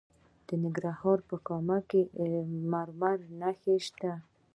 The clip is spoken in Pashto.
د ننګرهار په کامه کې د مرمرو نښې شته.